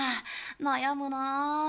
悩むなあ。